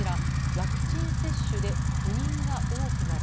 ワクチン接種で不妊が多くなる。